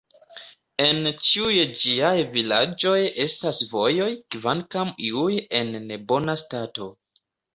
En ĉiuj ĝiaj vilaĝoj estas vojoj, kvankam iuj en nebona stato.